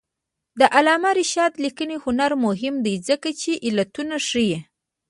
د علامه رشاد لیکنی هنر مهم دی ځکه چې علتونه ښيي.